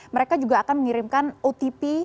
mereka juga akan mengirimkan otp